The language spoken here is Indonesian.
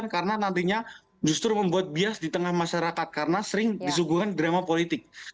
karena nantinya justru membuat bias di tengah masyarakat karena sering disuguhkan drama politik